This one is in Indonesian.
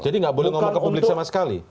jadi tidak boleh mengomentari ke publik sama sekali